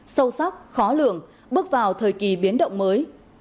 sâu sắc khó lường bước vào thời kỳ biến động mới